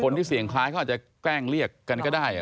ที่เสียงคล้ายเขาอาจจะแกล้งเรียกกันก็ได้